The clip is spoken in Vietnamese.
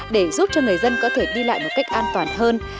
để giúp cho người dân có thể đi lại một cách an toàn hơn